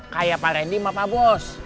kayak pak randy sama pak bos